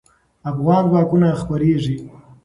افغان ځواکونه خپرېږي.